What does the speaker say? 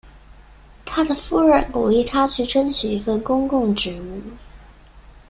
他的夫人鼓励他去争取一份公共职务。